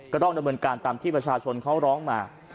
ก็ต้องดำเนินการตามที่ประชาชนเขาร้องมา